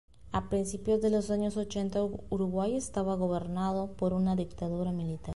A principios de los años ochenta, Uruguay estaba gobernado por una dictadura militar.